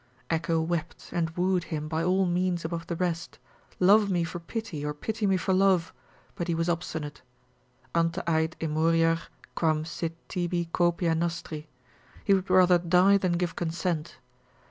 Echo wept and wooed him by all means above the rest, Love me for pity, or pity me for love, but he was obstinate, Ante ait emoriar quam sit tibi copia nostri, he would rather die than give consent.